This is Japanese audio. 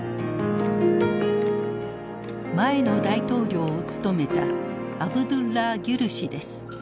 前の大統領を務めたアブドゥッラー・ギュル氏です。